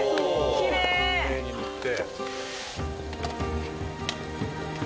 きれいに塗って。